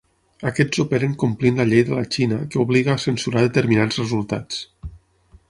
Aquests operen complint la llei de la Xina que obliga a censurar determinats resultats.